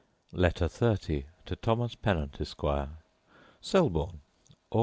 Letter XXX To Thomas Pennant, Esquire Selborne, Aug.